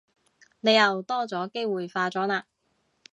你又多咗機會化妝喇